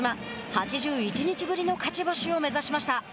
８１日ぶりの勝ち星を目指しました。